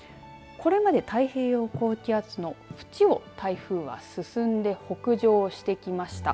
これまで太平洋高気圧の縁を台風は進んで北上してきました。